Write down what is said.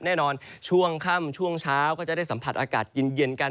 แน่นอนช่วงค่ำช่วงเช้าก็จะได้สัมผัสอากาศเย็นกัน